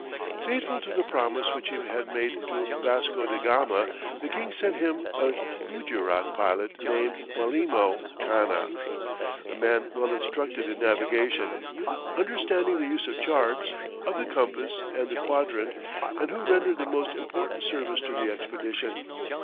Faithful to the promise which he had made to Vasco da Gama, the king sent him a Gujerat pilot named Malemo Cana, a man well instructed in navigation, understanding the use of charts, of the compass and the quadrant, and who rendered the most important service to the expedition.